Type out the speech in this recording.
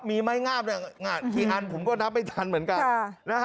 มีไม้งามกี่อันผมก็นับไม่ทันเหมือนกันนะฮะ